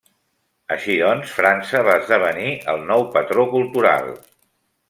Així doncs, França va esdevenir el nou patró cultural.